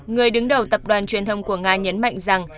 người đứng đầu tập đoàn truyền thông của nga nhấn mạnh rằng